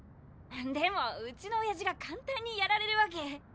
でもうちの親父が簡単にやられるわけ。